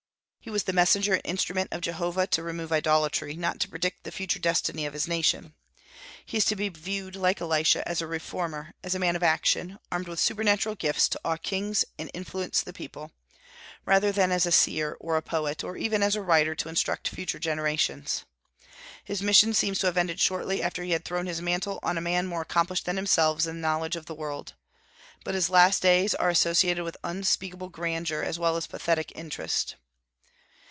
He was the messenger and instrument of Jehovah to remove idolatry, not to predict the future destiny of his nation. He is to be viewed, like Elisha, as a reformer, as a man of action, armed with supernatural gifts to awe kings and influence the people, rather than as a seer or a poet, or even as a writer to instruct future generations. His mission seems to have ended shortly after he had thrown his mantle on a man more accomplished than himself in knowledge of the world. But his last days are associated with unspeakable grandeur as well as pathetic interest.